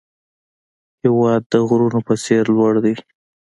هېواد د غرونو په څېر لوړ دی.